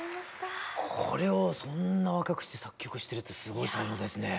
これをそんな若くして作曲してるってすごい才能ですね。